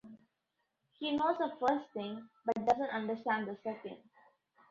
He knows the first thing but doesn't understand the second.